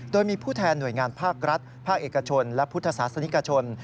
โดยมีผู้แทนหน่วยงานภาครัฐภาคเอกชนและพุทธศาสนิกชน